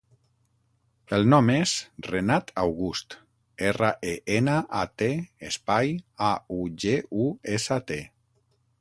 El nom és Renat August: erra, e, ena, a, te, espai, a, u, ge, u, essa, te.